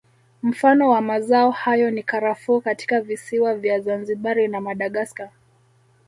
Mfano wa mazao hayo ni Karafuu katika visiwa vya Zanzibari na Madagascar